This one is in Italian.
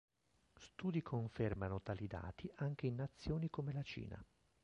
Studi confermano tali dati anche in nazioni come la Cina.